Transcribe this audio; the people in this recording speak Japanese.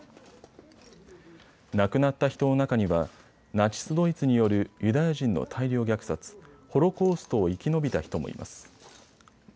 亡くなった人の中にはナチス・ドイツによるユダヤ人の大量虐殺、ホロコーストを生き延びた人もいます。